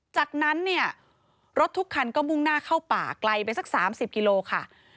จากนั้นเนี่ยรถทุกคันก็มุ่งหน้าเข้าป่าไกลไปสัก๓๐กิโลค่ะ